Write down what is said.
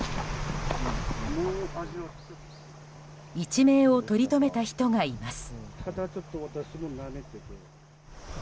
一命をとりとめた人がいます。